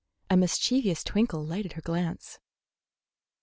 A mischievous twinkle lighted her glance.